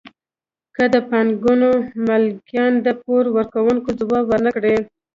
که د بانکونو مالکان د پور ورکوونکو ځواب ورنکړي